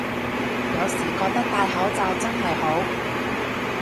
有時覺得戴口罩真係好